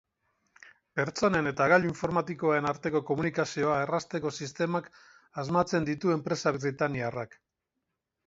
Pertsonen eta gailu informatikoen arteko komunikazioa errazteko sistemak asmatzen ditu enpresa britainiarrak.